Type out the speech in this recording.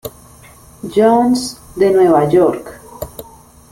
John's de Nueva York.